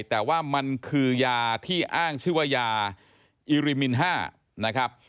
แต่ว่ามันคือยาที่อ้างชื่อยาอิริมิน๕